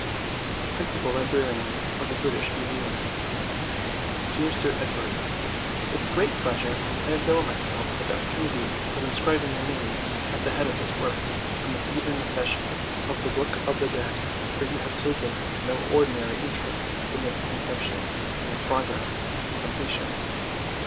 PRINCIPAL LIBRARIAN OF THE BRITISH MUSEUM Dear Sir Edward, With great pleasure I avail myself of the oppor tunity of inscribing your name at the head of this work on the Theban Recension of the Book of the Dead, for you have taken no ordinary interest in its inception, and progress, and completion.